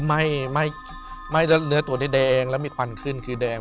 ไหม้มีตัวนี่แดงแล้วมีควันขึ้นคือแดง